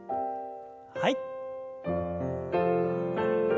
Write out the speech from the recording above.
はい。